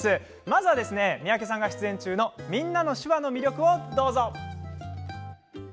まずは、三宅さんが出演中の「みんなの手話」の魅力をどうぞ。